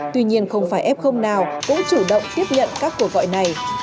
tuy nhiên không phải f nào cũng chủ động tiếp nhận các cuộc gọi này